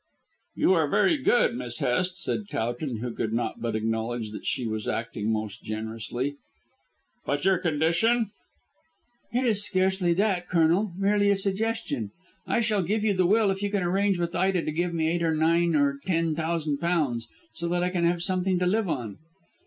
"You are very good, Miss Hest," said Towton, who could not but acknowledge that she was acting most generously. "But your condition?" "It is scarcely that, Colonel; merely a suggestion. I shall give you the will if you can arrange with Ida to give me eight or nine or ten thousand pounds, so that I can have something to live on."